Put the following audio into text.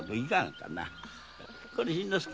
これ新之助。